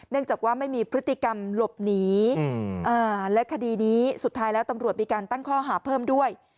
จากว่าไม่มีพฤติกรรมหลบหนีและคดีนี้สุดท้ายแล้วตำรวจมีการตั้งข้อหาเพิ่มด้วย